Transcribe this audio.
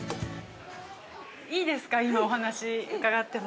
◆いいですか、今お話し伺っても。